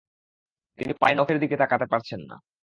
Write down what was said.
তিনি পায়ের নখের দিকে তাকাতে পারছেন না।